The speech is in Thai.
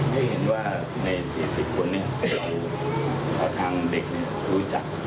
ไม่เห็นว่าใน๔๐คนนี้เราทั้งเด็กรู้จัก